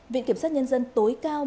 viện kiểm soát nhân dân tối cao